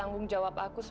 jangan lupa ka dulu